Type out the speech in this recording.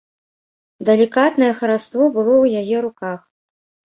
Далікатнае хараство было ў яе руках.